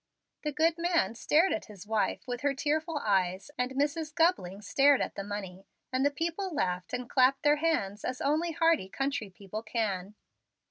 The good man stared at his wife with her tearful eyes, and Mrs. Gubling stared at the money, and the people laughed and clapped their hands as only hearty country people can.